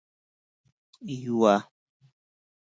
یوه